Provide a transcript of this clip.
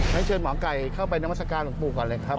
ให้เชิญหมอไก่เข้าไปนรมทราบของคุณก่อนค่ะ